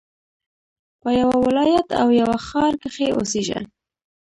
په يوه ولايت او يوه ښار کښي اوسېږه!